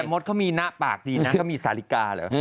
มดเขามีหน้าปากดีนะเขามีสาลิกาเหรอ